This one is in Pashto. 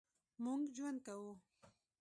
مونږ ژوند کوو